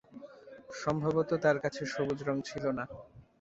সম্ভবত তার কাছে সবুজ রঙ ছিল না।